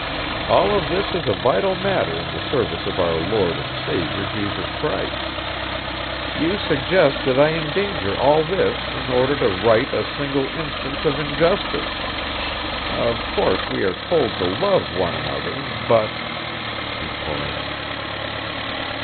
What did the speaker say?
All of this is a vital matter in the service of our Lord and Saviour Jesus Christ. You suggest that I endanger all this in order to right a single instance of injustice. Of course we are told to love one another, but " he paused.